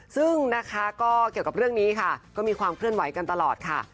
ซึ่งกับเรื่องนี้ก็มีความเคลื่อนไหวกันตลอด